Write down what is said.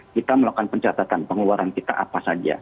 kita melakukan pencatatan pengeluaran kita apa saja